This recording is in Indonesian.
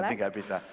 nanti enggak bisa